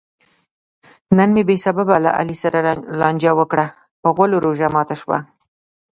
نن مې بې سببه له علي سره لانجه وکړه؛ په غولو روژه ماته شوه.